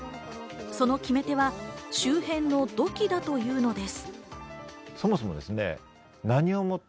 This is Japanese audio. その決め手は周辺の土器だというのです。